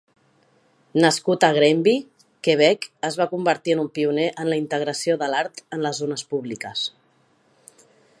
Nascut a Granby, Quebec, es va convertir en un pioner en la integració de l'art en les zones públiques.